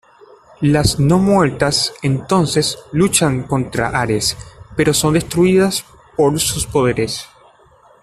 Las no-muertas entonces luchan contra Ares pero son destruidas por sus poderes.